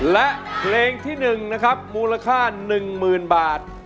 และเพลงที่๑นะครับมูลค่า๑๐๐๐บาท